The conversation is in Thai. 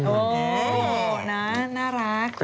โอ้นะน่ารัก